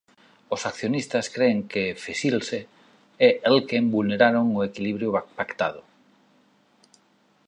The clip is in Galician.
Os accionistas cren que Fesilse e Elkem vulneraron o equilibrio pactado